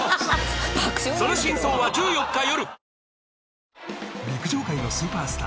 その真相は１４日よる！